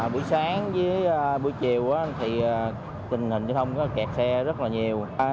bữa chiều thì tình hình điện thoại kẹt xe rất là nhiều